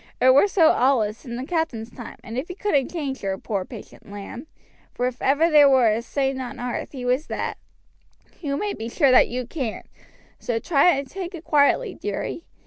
It were so allus in the captain's time, and if he couldn't change her, poor patient lamb for if ever there were a saint on arth he was that you may be sure that you can't. So try and take it quietly, dearie.